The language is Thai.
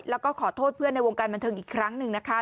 แล้วก็ขอโทษเพื่อนในวงการบันเทิงอีกครั้งหนึ่งนะคะ